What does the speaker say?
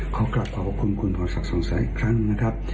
ขอกลับขอบคุณคุณพรศักดิ์สองแสงอีกครั้งนะครับ